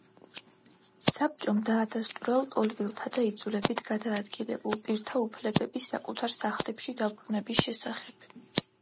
საბჭომ დაადასტურა ლტოლვილთა და იძულებით გადაადგილებულ პირთა უფლებები საკუთარ სახლებში დაბრუნების შესახებ.